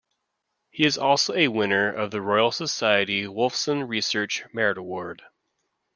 He is also a winner of the Royal Society Wolfson Research Merit Award.